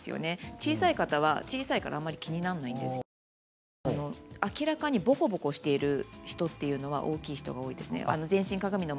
小さい方は小さいからあまり気にならないんですけれど明らかにボコボコしている人っていうのは大きい人が多いです。